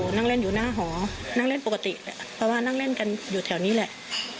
นั่งเล่นอยู่หน้าหอนั่งเล่นปกติเพราะว่านั่งเล่นกันอยู่แถวนี้แหละ